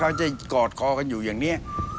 เขาจะกอดคอกันอยู่อย่างนี้